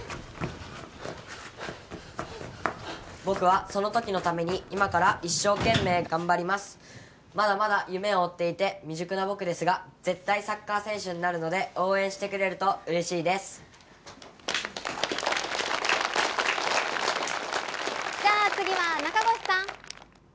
「僕はその時のために今から一生懸命頑張ります」「まだまだ夢を追っていて未熟な僕ですが絶対サッカー選手になるので応援してくれると嬉しいです」じゃあ次は中越さん。